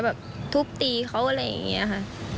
แบบทุบตีเขาอะไรอย่างนี้ค่ะ